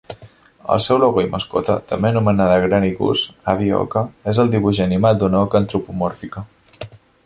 El seu logo i mascota, també anomenada Granny Goose (Àvia Oca), és el dibuix animat d'una oca antropomòrfica.